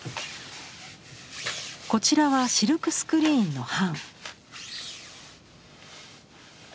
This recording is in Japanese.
こちらはシルクスクリーンの版。